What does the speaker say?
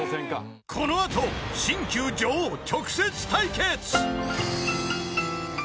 ［この後新旧女王直接対決］